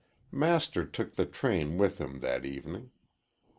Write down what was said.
Master took the train with him that evening.